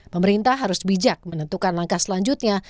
pemerintah harus bijak menentukan langkah selanjutnya